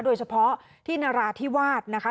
โดยเฉพาะที่นราธิวาสนะคะ